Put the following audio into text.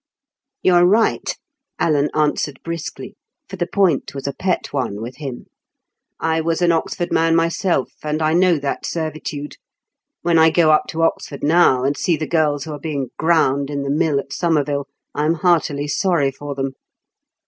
"You are right," Alan answered briskly, for the point was a pet one with him. "I was an Oxford man myself, and I know that servitude. When I go up to Oxford now and see the girls who are being ground in the mill at Somerville, I'm heartily sorry for them.